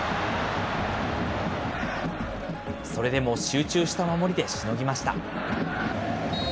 それでも集中した守りでしのぎました。